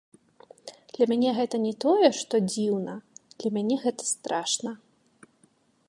Для мяне гэта не тое, што дзіўна, для мяне гэта страшна.